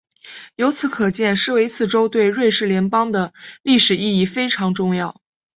由此可见施维茨州对瑞士邦联的历史意义非常重要。